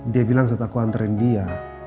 dia bilang saat aku anterin dia